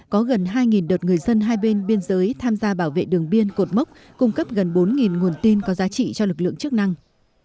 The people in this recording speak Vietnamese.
có gần hai đợt người dân hai bên biên giới tham gia bảo vệ đường biên cột mốc cung cấp gần bốn nguồn tin có giá trị cho lực lượng chức năng